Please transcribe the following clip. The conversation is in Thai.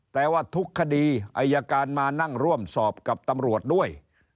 ว่าทุกคดีอายการมานั่งร่วมสอบกับตำรวจด้วย